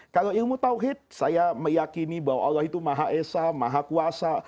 kalau ilmu tawhid saya meyakini bahwa allah itu maha esa maha kuasa